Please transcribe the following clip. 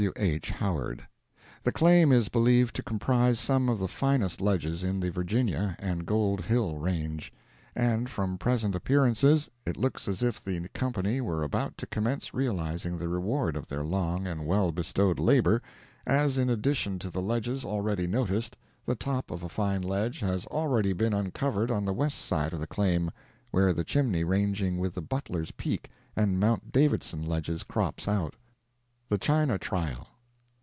W. H. Howard. The claim is believed to comprise some of the finest ledges in the Virginia and Gold Hill range, and from present appearances it looks as if the company were about to commence realizing the reward of their long and well bestowed labor, as in addition to the ledges already noticed, the top of a fine ledge has already been uncovered on the west side of the claim, where the chimney ranging with the Butler's Peak and Mount Davidson ledges crops out. THE CHINA TRIAL.